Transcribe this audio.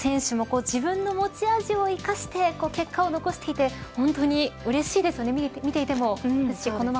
どの選手も自分の持ち味を生かして結果を残していて本当にうれしいですね